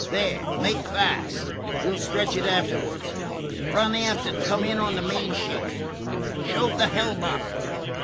There! Make fast! We 'll stretch it afterwards. Run aft and come in on the main sheet! Shove the helm up!"